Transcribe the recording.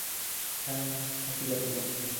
Jeannine así lo firmó.